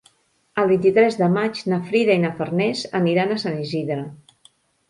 El vint-i-tres de maig na Frida i na Farners aniran a Sant Isidre.